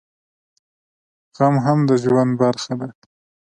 غم هم د ژوند برخه ده